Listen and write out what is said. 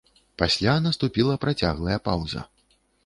Пасля наступіла працяглая паўза.